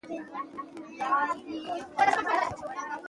د حاصلاتو په وخت کې خوشحالي وي.